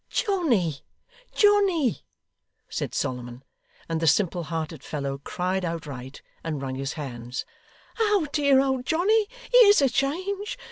'Johnny, Johnny,' said Solomon and the simple hearted fellow cried outright, and wrung his hands 'Oh dear old Johnny, here's a change!